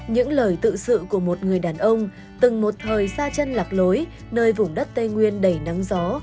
những lời tự sự của một người đàn ông từng một thời ra chân lạc lối nơi vùng đất tây nguyên đầy nắng gió